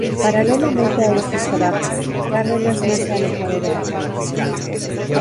Paralelamente a estos trabajos, Cárdenas no se ha alejado de la academia.